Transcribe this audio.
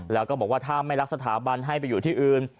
แล้วก็บอกว่าถ้าไม่รักสถาบันให้ไปอยู่ที่อื่น